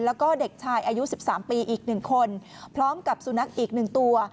แล้วก็เด็กชายอายุ๑๓ปีอีก๑คนพร้อมกับสุนัขอีก๑ตัว